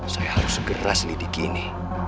saya harus segera selidiki ini